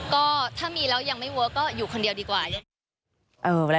ก็ถ้ามีแล้วยังไม่เวิร์คก็อยู่คนเดียวดีกว่า